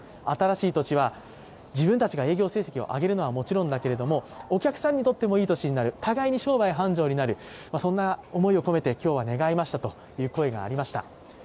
新しい年は自分たちが営業成績を上げるのはもちろんだけれどもお客さんにとってもいい年になる、互いに商売繁盛になる、そんな思いを込めて今日は願いましたという声がありました。